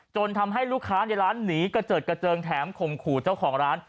ทำให้ลูกค้าในร้านหนีกระเจิดกระเจิงแถมข่มขู่เจ้าของร้าน